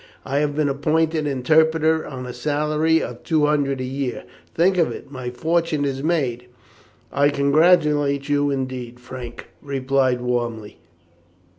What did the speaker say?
I have been appointed interpreter on a salary of two hundred a year. Think of it! my fortune is made." "I congratulate you indeed," Frank replied warmly.